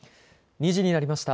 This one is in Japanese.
２時になりました。